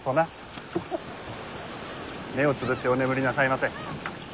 目をつぶってお眠りなさいませ。